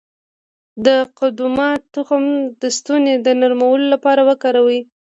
د قدومه تخم د ستوني د نرمولو لپاره وکاروئ